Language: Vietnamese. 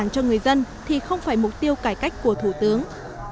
của thủ tướng